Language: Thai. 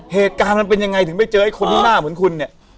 เหตุการณ์มันเป็นยังไงถึงไม่เจอไอ้คนที่หน้าเหมือนคุณเนี่ย